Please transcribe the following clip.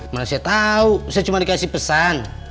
mana saya tau saya cuma dikasih pesan